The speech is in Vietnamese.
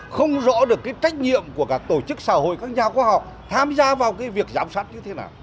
không rõ được cái trách nhiệm của các tổ chức xã hội các nhà khoa học tham gia vào việc giám sát như thế nào